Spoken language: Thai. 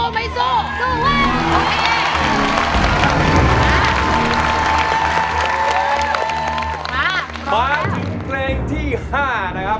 มาถึงเพลงที่๕นะครับ